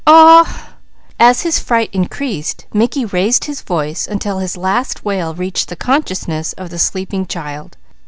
Aw !" As his fright increased Mickey raised his voice until his last wail reached the consciousness of the sleeping child.